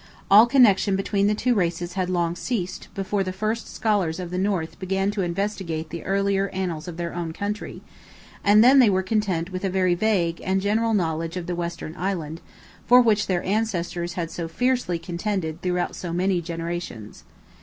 All connection between the two races had long ceased, before the first scholars of the North began to investigate the earlier annals of their own country, and then they were content with a very vague and general knowledge of the western Island, for which their ancestors had so fiercely contended throughout so many generations.